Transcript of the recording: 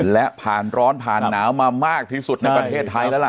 และผ่านร้อนผ่านหนาวมามากที่สุดในประเทศไทยแล้วล่ะ